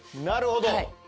なるほど。